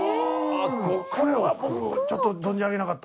これは僕ちょっと存じ上げなかった。